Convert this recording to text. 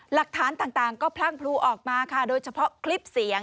หลักฐานต่างก็พลั่งพลูออกมาค่ะโดยเฉพาะคลิปเสียง